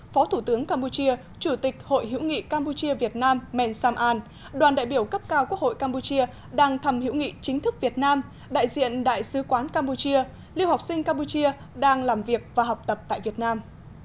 phó thủ tướng campuchia chủ tịch hội hiểu nghị campuchia việt nam mensaman đoàn đại biểu cấp cao quốc hội campuchia đang thăm hữu nghị chính thức việt nam đại diện đại sứ quán campuchia lưu học sinh campuchia đang làm việc và học tập tại việt nam